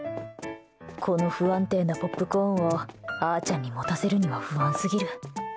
この不安定なポップコーンをあーちゃんに持たせるには不安すぎる。